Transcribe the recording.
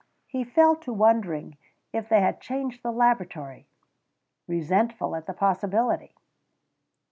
He fell to wondering if they had changed the laboratory, resentful at the possibility.